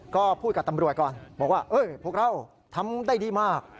ก็พูดกับตำรวจก่อนบอกว่าพวกเราทำได้ดีมาก